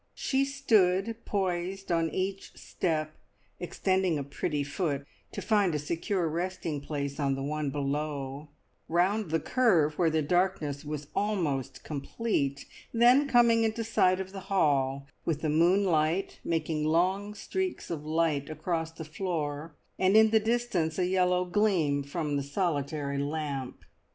She stood poised on each step, extending a pretty foot to find a secure resting place on the one below; round the curve where the darkness was almost complete, then coming into sight of the hall, with the moonlight making long streaks of light across the floor, and in the distance a yellow gleam from the solitary lamp.